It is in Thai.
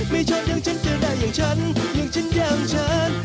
ไม่ชอบอย่างฉันจะได้อย่างฉันอย่างฉันอย่างฉัน